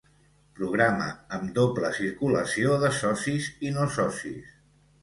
Programa amb doble circulació de socis i no socis.